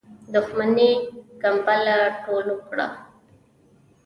دښمنی کمبله ټوله کړو.